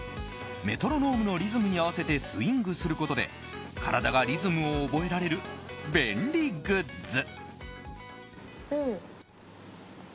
メトロノームのリズムに合わせてスイングすることで体がリズムを覚えられる便利グッズ。